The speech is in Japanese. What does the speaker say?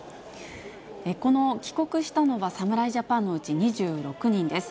この帰国したのは侍ジャパンのうち２６人です。